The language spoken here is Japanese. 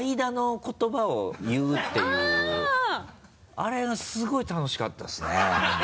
あれがすごい楽しかったですね。